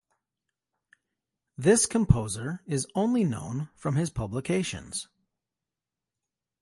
This composer is only known from his publications.